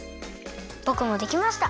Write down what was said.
ぼくもできました。